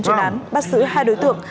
truyền án bắt giữ hai đối tượng